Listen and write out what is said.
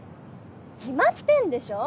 決まってるでしょ！